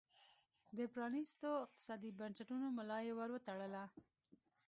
د پرانیستو اقتصادي بنسټونو ملا یې ور وتړله.